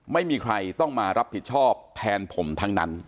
ไม่มีใครต้องมารับผิดชอบแทนผมทั้งนั้น